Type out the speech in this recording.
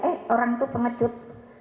eh orang itu pengecut